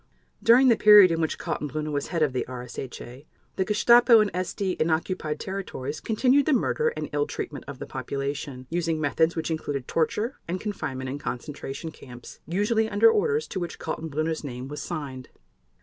During the period in which Kaltenbrunner was head of the RSHA, the Gestapo and SD in occupied territories continued the murder and ill treatment of the population, using methods which included torture and confinement in concentration camps, usually under orders to which Kaltenbrunner's name was signed.